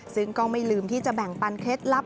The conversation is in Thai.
ซึ่งก็ไม่ลืมที่จะแบ่งปันเคล็ดลับ